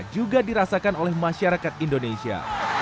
juga dirasakan oleh masyarakat indonesia